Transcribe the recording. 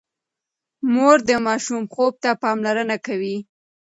مور د ماشوم خوب ته پاملرنه کوي۔